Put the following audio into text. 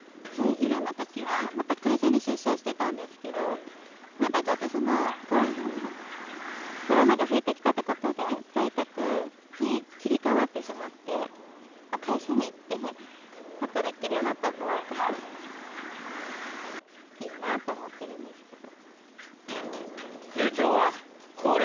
緩んだときはまた会社に出社してたんですけど、またちょっとコロナの、コロナが増えてきたってことで、在宅に切り替わってしまって、会社に行って働けるようになったほうがいいなと思ってるんですけど。